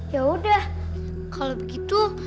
ya udah kalau begitu